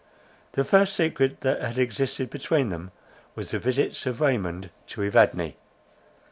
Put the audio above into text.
The first secret that had existed between them was the visits of Raymond to Evadne.